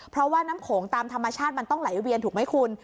เพราะว่าน้ำโขงตามธรรมชาติมันต้องไหลเวียนถูกไหมคุณ